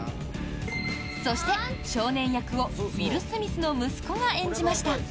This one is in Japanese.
そして、少年役をウィル・スミスの息子が演じました。